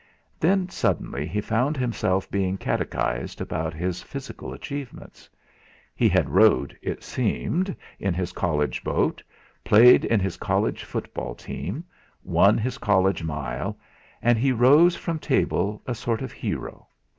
Then suddenly he found himself being catechised about his physical achievements. He had rowed it seemed in his college boat, played in his college football team, won his college mile; and he rose from table a sort of hero.